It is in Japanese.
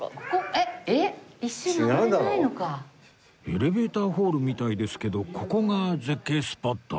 エレベーターホールみたいですけどここが絶景スポット？